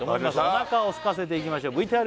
お腹をすかせていきましょう！